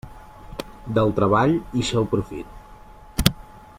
Del treball ix el profit.